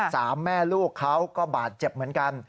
สามแม่ลูกเขาก็บาดเจ็บเหมือนกัน